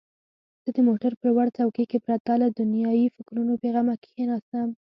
زه د موټر په لوړ څوکۍ کې پرته له دنیايي فکرونو بېغمه کښېناستم.